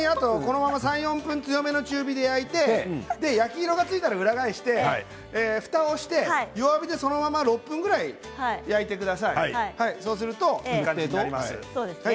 ３、４分強めの中火で焼いて焼き目がついたら裏返してふたをして弱火で６分ぐらい焼いてください。